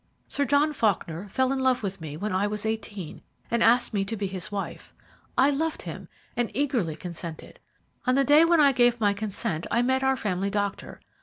Sir John Faulkner fell in love with me when I was eighteen, and asked me to be his wife. I loved him, and eagerly consented. On the day when I gave my consent I met our family doctor.